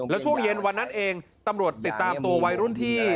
แล้วช่วงเย็นวันนั้นเองตำรวจติดตามตัววัยรุ่นที่